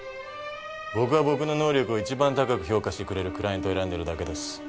僕は僕の能力を一番高く評価してくれるクライアントを選んでるだけです。